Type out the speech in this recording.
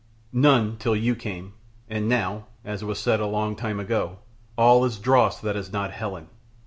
"None till you came; and now, as was said a long time ago, 'All is dross that is not Helen.'